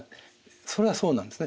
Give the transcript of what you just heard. それはそうなんですね。